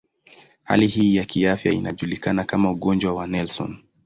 Hali hii ya kiafya inajulikana kama ugonjwa wa Nelson.